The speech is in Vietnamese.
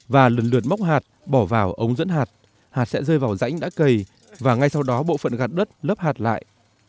và lần lượt móc hạt bỏ vào ống dẫn hạt hạt hạt sẽ rơi vào rãnh đã cầy và ngay sau đó bộ phận gạt đất lấp hạt lại